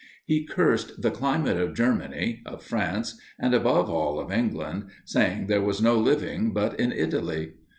He cursed the climate of Germany, of France, and above all of England, saying there was no living but in Italy.